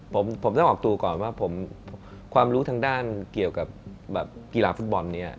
ผมต้องออกตัวก่อนว่าความรู้ทางด้านเกี่ยวกับกีฬาฟุตบอลเนี่ย